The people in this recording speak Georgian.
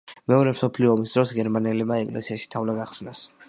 მეორე მსოფლიო ომის დროს გერმანელებმა ეკლესიაში თავლა გახსნეს.